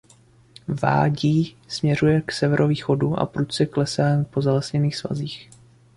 Vádí směřuje k severovýchodu a prudce klesá po zalesněných svazích.